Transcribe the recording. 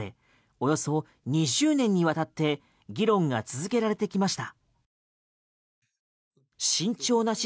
およそ２０年にわたって議論が続けられてきました。